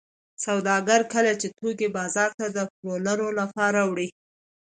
سوداګر کله چې توکي بازار ته د پلورلو لپاره وړي